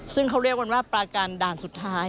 ซึ่งเขาเรียกว่าปลาการด่านสุดท้าย